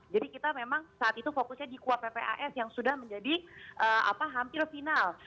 jadi kita memang saat itu fokusnya di kuap papas yang sudah menjadi hampir final